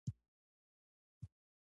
ما په خنجر مرمۍ را وویسته او ورته مې وکتل